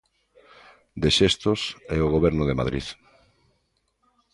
De xestos é o Goberno de Madrid.